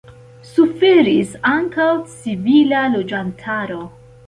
Suferis ankaŭ civila loĝantaro.